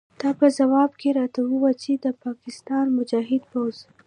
تا په ځواب کې راته وویل چې د پاکستان مجاهد پوځ.